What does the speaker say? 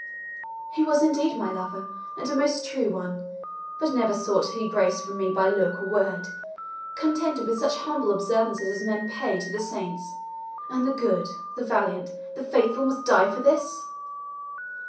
"He was indeed my lover, and a most true one; but never sought he grace from me by look or word contented with such humble observance as men pay to the saints. And the good the valiant the faithful must die for this!"